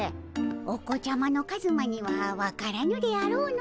お子ちゃまのカズマには分からぬであろうの。